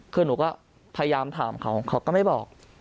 คือหนูก็พยายามถามเขาเขาก็ไม่บอก